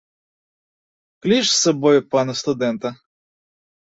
Кліч з сабою пана студэнта.